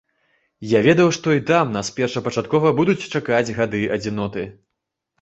Я ведаў, што і там нас першапачаткова будуць чакаць гады адзіноты.